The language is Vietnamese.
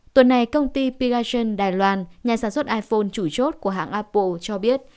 tuần này công ty pigation đài loan nhà sản xuất iphone chủ chốt của hãng apple cho biết